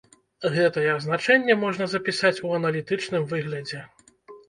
Гэтае азначэнне можна запісаць у аналітычным выглядзе.